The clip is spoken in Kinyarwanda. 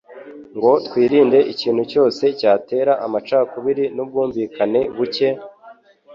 ngo twirinde ikintu cyose cyatera amacakubiri n'ubwumvikane buke,